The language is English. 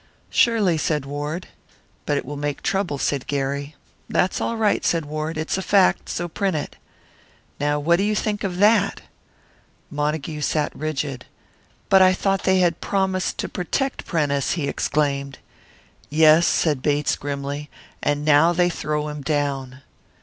'Surely,' said Ward. 'But it will make trouble,' said Gary. 'That's all right,' said Ward. 'It's a fact. So print it.' Now what do you think of that?" Montague sat rigid. "But I thought they had promised to protect Prentice!" he exclaimed. "Yes," said Bates, grimly; "and now they throw him down."